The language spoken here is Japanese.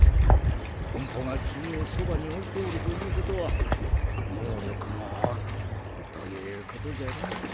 ポンポがキミをそばにおいておるということはのうりょくがあるということじゃろう？